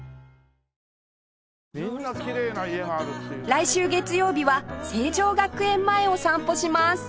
来週月曜日は成城学園前を散歩します